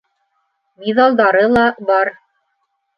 Миҙалдары ла бар.